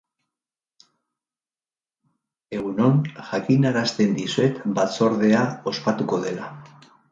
Egun on, jakinarazten dizuet batzordea ospatuko dela.